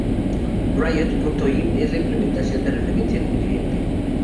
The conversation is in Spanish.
Riot.im es la implementación de referencia de un cliente.